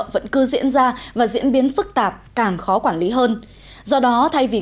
vâng xin chào chị